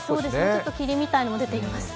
ちょっと霧みたいなものも出ています。